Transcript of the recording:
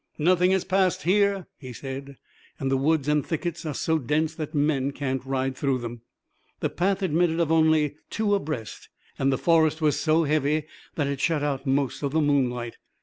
"Nothing has passed here," he said, "and the woods and thickets are so dense that men can't ride through 'em." The path admitted of only two abreast, and the forest was so heavy that it shut out most of the moonlight.